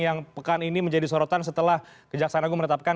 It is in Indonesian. yang pekan ini menjadi sorotan setelah kejaksaan agung menetapkan